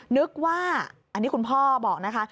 นึกว่าอันนี้คุณพ่อบอกนะคะ